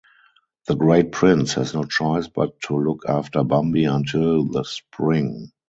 The Great Prince has no choice but to look after Bambi until the spring.